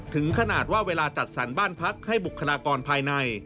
ถึงขนาดว่าเวลาจัดสรรบ้านพักให้บุคลากรภายใน